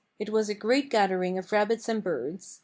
It was a great gathering of rabbits and birds.